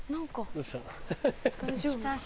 どうした？